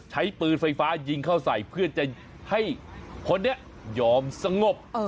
ใช้ปืนไฟฟ้ายิงเข้าใส่เพื่อจะให้คนนี้ยอมสงบ